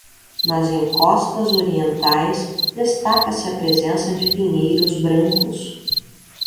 Nas encostas orientais, destaca-se a presença de pinheiros brancos.